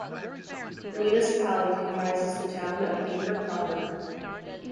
The municipality only comprises the town of Bever proper.